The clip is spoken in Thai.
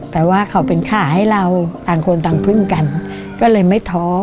แต่ว่าเขาเป็นขาให้เราต่างคนต่างพึ่งกันก็เลยไม่ท้อ